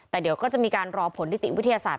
แต่เดี๋ยวก็จะมีการรอผลนิติวิทยาศาสต